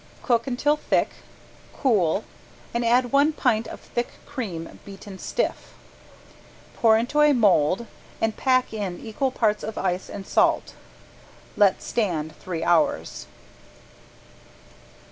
Cook until thick, cool, and add one pint of thick cream beaten stiff. Pour into a mold and pack in equal parts of ice and salt. Let stand three hours.